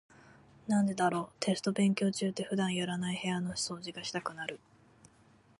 なんでだろう、テスト勉強中って普段やらない部屋の掃除がしたくなる。